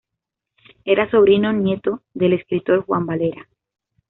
Era sobrino nieto del escritor Juan Valera.